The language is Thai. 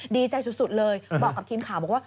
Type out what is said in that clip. ดีใจสุดเลยบอกกับทีมข่าวบอกว่า